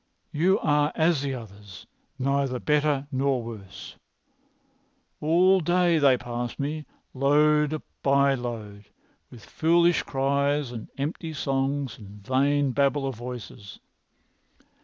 "You are as the others, neither better nor worse. All day they pass me, load by load, with foolish cries and empty songs and vain babble of voices.